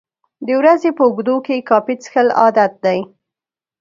د ورځې په اوږدو کې کافي څښل عادت دی.